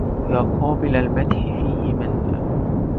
يا قابل المدح فيه منا